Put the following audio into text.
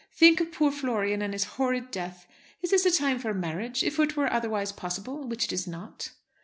Think of poor Florian and his horrid death. Is this a time for marriage, if it were otherwise possible, which it is not?